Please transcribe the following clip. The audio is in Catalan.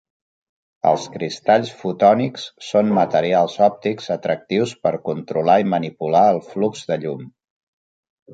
Els cristalls fotònics són materials òptics atractius per controlar i manipular el flux de llum.